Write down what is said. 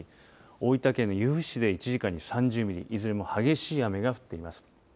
大分県由布市で１時間に３０ミリいずれも激しい雨が降っています。